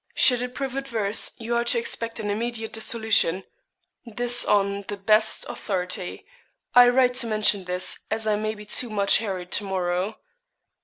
Should it prove adverse, you are to expect an immediate dissolution; this on the best authority. I write to mention this, as I may be too much hurried to morrow."'